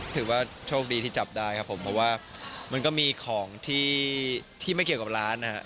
ถือว่าโชคดีที่จับได้ครับผมเพราะว่ามันก็มีของที่ไม่เกี่ยวกับร้านนะครับ